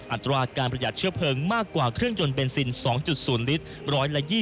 อัตราการประหยัดเชื้อเพลิงมากกว่าเครื่องยนต์เบนซิน๒๐ลิตร๑๒๐